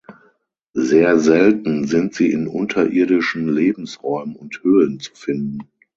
Sehr selten sind sie in unterirdischen Lebensräumen und Höhlen zu finden.